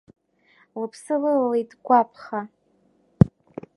Лыԥсы лылалеит Гәаԥха.